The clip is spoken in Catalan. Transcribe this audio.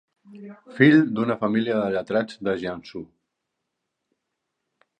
Fill d'una família de lletrats de Jiangsu.